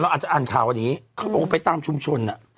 อาจจะอ่านข่าวอย่างนี้เขาบอกว่าไปตามชุมชน